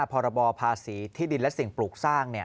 พรบภาษีที่ดินและสิ่งปลูกสร้าง